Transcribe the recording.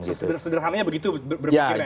sederhananya begitu berpikirnya ya mas